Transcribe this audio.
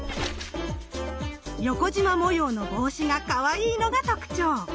横じま模様の帽子がかわいいのが特徴。